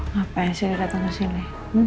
ngapain sih datang ke sini